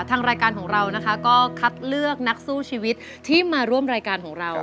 ทางรายการของเรานะคะก็คัดเลือกนักสู้ชีวิตที่มาร่วมรายการของเรา